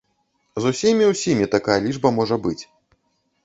З усімі-ўсімі такая лічба можа быць.